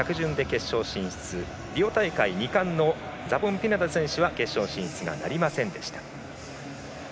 大会２冠のサボンピネダ選手は決勝進出がなりませんでした。